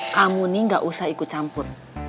kamu ini gak usah ikut campur